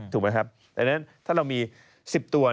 ถ้าเรามีสิบตัว